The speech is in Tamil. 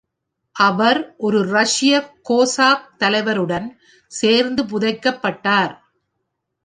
அவர் ஒரு ரஷ்ய கோசாக் தலைவருடன் சேர்ந்து புதைக்கப்பட்டார்.